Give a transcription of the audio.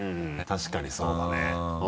確かにそうだね。